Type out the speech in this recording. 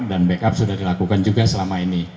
dan backup sudah dilakukan juga selama ini